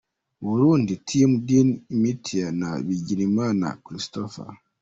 Burundi Team: Din Imtiaz& Bigirimana Christophe.